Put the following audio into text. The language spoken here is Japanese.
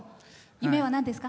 夢はなんですか？